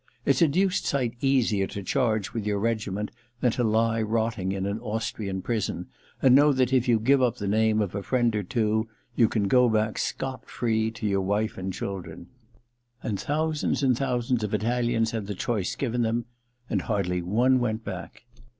It's a deuced sight easier to charge with your regiment than to lie rotting in an Austrian prison and know that if you give up the name of a friend or two you can go back scot free to your wife and children. And thousands and thousands of Italians had the choice given them — and hardly one went back.'